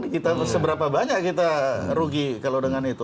kita seberapa banyak kita rugi kalau dengan itu